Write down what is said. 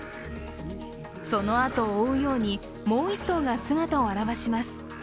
そのあとを追うように、もう一頭が姿を現します。